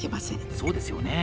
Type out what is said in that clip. そうですよね！